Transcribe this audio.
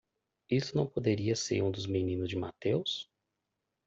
Isso não poderia ser um dos meninos de Mateus?